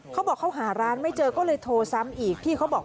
เขาบอกเขาหาร้านไม่เจอก็เลยโทรซ้ำอีก